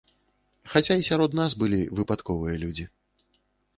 Хаця і сярод нас былі выпадковыя людзі.